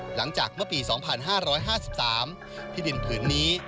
หลังจากเมื่อปี๒๕๕๓ที่ดินผืนนี้